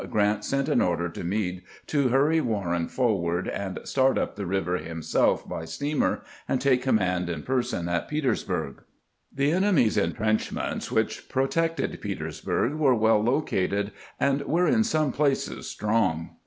Grant sent an order to Meade to hurry Warren forward, and start up the river himself by steamer and take command in person at Petersburg. The enemy's intrenchments which protected Peters burg were well located, and were in some places strong.